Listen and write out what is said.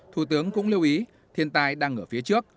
thủ tướng cũng lưu ý thiên tài đang ở phía trước